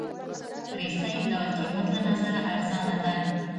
رسۍ د قېمت له نظره ارزانه ده.